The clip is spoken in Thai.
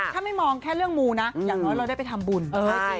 ถ้าไม่มองแค่เรื่องมูนะอย่างน้อยเราได้ไปทำบุญ